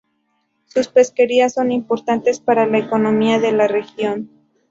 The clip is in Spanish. Sus pesquerías son importantes para la economía de la región.